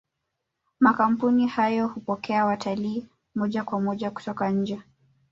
makampuni hayo hupokea watalii moja kwa moja kutoka nje